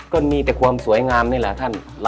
ก็มีแต่ความสวยงามนี่แหละท่าน